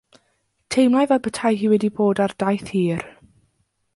Teimlai fel petai hi wedi bod ar daith hir.